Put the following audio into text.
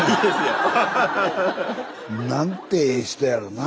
なんてええ人やろな。